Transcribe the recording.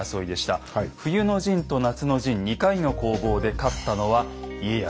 冬の陣と夏の陣２回の攻防で勝ったのは家康。